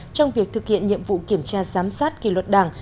trong việc thực hiện nhiệm vụ kiểm tra giám sát kỳ luật đảng